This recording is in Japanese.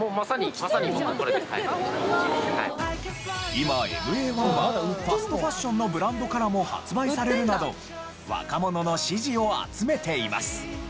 今ＭＡ−１はファストファッションのブランドからも発売されるなど若者の支持を集めています。